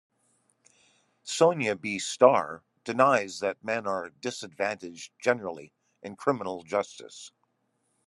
Sonja B. Starr denies that men are disadvantaged generally in criminal justice.